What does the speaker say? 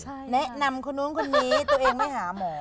แนะนำคนนู้นคนนี้ตัวเองไม่หาหมอ